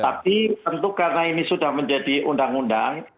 tapi tentu karena ini sudah menjadi undang undang